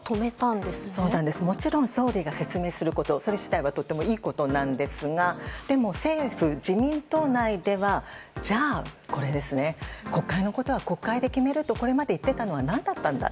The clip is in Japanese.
もちろん、総理自ら説明することそれ自体はとってもいいことなんですがでも、政府・自民党内ではじゃあ国会のことは国会で決めるとこれまで言っていたのは何だったんだ。